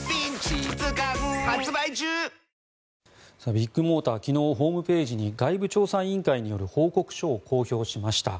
ビッグモーター昨日、ホームページに外部調査委員会による報告書を公表しました。